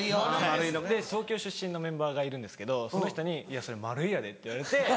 東京出身のメンバーがいるんですけどその人に「いやそれマルイやで」って言われて。